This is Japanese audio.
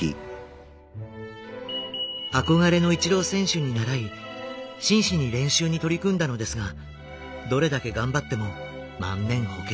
憧れのイチロー選手に倣い真摯に練習に取り組んだのですがどれだけ頑張っても万年補欠。